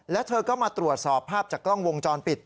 แล้วเธอก็มาตรวจสอบภาพจากกล้องวงจรปิด